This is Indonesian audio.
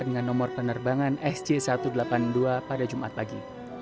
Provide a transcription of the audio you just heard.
dengan nomor penerbangan sj satu ratus delapan puluh dua pada jumat pagi